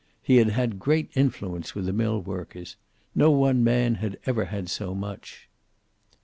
He had had great influence with the millworkers. No one man had ever had so much.